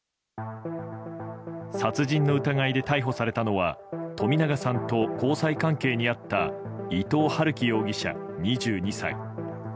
殺人の疑いで逮捕されたのは冨永さんと交際関係にあった伊藤龍稀容疑者、２２歳。